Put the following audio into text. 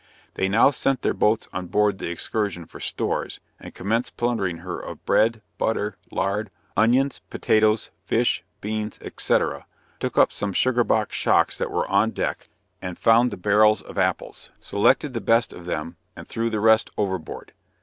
They now sent their boats on board the Exertion for stores, and commenced plundering her of bread, butter, lard, onions, potatoes, fish, beans, &c., took up some sugar box shocks that were on deck, and found the barrels of apples; selected the best of them and threw the rest overboard.